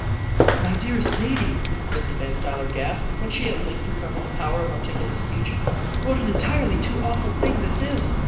"My dearest Zaidie," Mrs. Van Stuyler gasped, when she at length recovered the power of articulate speech, "what an entirely too awful thing this is!